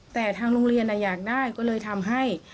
แต่ทางโรงเรียนอยากได้ก็เลยทำให้